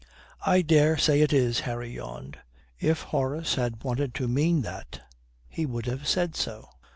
"I dare say it is," Harry yawned. "If Horace had wanted to mean that, he would have said so."